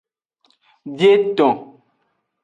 Bieton.